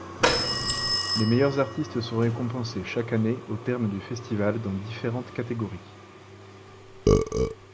Les meilleurs artistes sont récompensés chaque année au terme du festival dans différentes catégories.